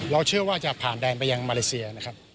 เราเชื่อว่าถึงจะผ่านตัดกันไปยังมาเลเซีย